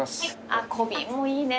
あっ小瓶もいいね。